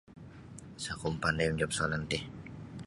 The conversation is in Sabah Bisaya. Isa oku mapandai manjawab soalan ti